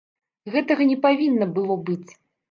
Гэтага не павінна было быць.